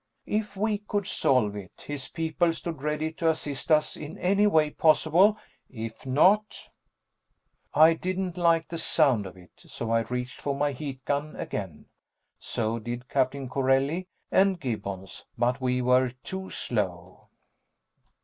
If we could solve it, his people stood ready to assist us in any way possible. If not.... I didn't like the sound of it, so I reached for my heat gun again. So did Captain Corelli and Gibbons, but we were too slow.